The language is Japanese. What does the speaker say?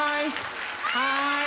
はい！